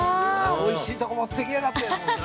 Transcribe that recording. おいしいとこ持っていきやがって。